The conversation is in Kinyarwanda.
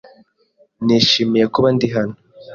Nishimiye kuba ndi hano.